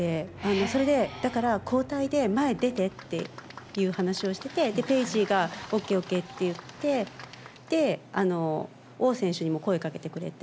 それで、だから交代で前出てって、いう話をしてて、ページーがＯＫ、ＯＫって言って、で、オウ選手にも声かけてくれて。